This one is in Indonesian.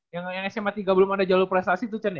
yang sma tiga belum ada jalur prestasi itu cender